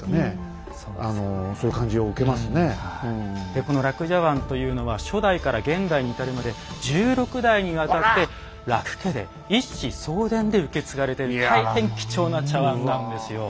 でこの樂茶碗というのは初代から現代に至るまで１６代にわたって樂家で一子相伝で受け継がれている大変貴重な茶碗なんですよ。